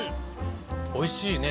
おいしいねでも。